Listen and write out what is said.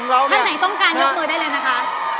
ท่านไหนต้องการยกมือได้เลยนะคะ